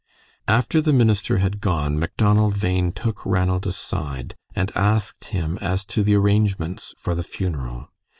After the minister had gone, Macdonald Bhain took Ranald aside and asked him as to the arrangements for the funeral.